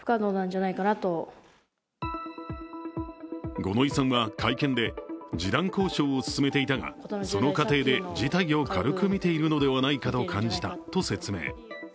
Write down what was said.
五ノ井さんは会見で示談交渉を進めていたがその過程で事態を軽く見ているのではないかと感じたと説明。